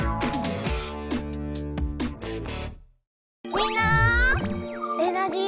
⁉みんなエナジー